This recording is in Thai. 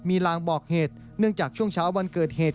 มีลางบอกเหตุเนื่องจากช่วงเช้าวันเกิดเหตุ